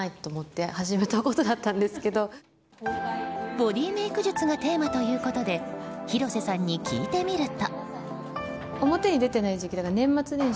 ボディーメイク術がテーマということで広瀬さんに聞いてみると。